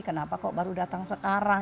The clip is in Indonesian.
kenapa kok baru datang sekarang